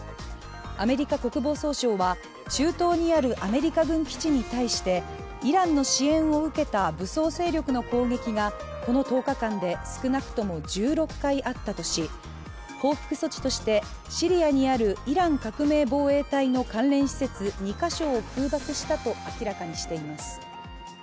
アメリカ国防総省は中東にあるアメリカ軍基地に対してイランの支援を受けた武装勢力の攻撃がこの１０日間で少なくとも１６回あったとし、報復措置としてシリアにあるイラン革命防衛隊の関連施設２か所を空爆したと明らかにしています。